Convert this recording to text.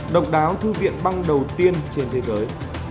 độc đáo thư viện băng đầu tiên trên thế giới